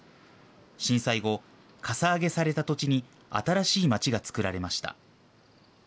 震災後、かさ上げされた土地に新しい町が作られました。